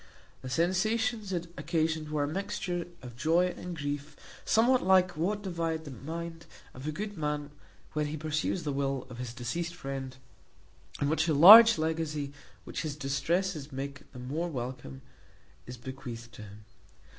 The sensations it occasioned were a mixture of joy and grief; somewhat like what divide the mind of a good man when he peruses the will of his deceased friend, in which a large legacy, which his distresses make the more welcome, is bequeathed to him.